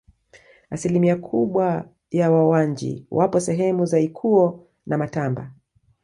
Asilimia kubwa ya Wawanji wapo sehemu za Ikuwo na Matamba